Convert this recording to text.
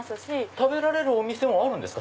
食べられるお店もあるんですか？